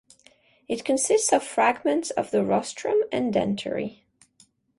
It consists of fragments of the rostrum and dentary.